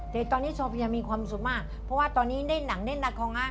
แต่ตอนนี้โซเฟียมีความสุขมากเพราะว่าตอนนี้เล่นหนังเล่นละคร